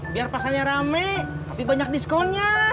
biar pasarnya rame lebih banyak diskonnya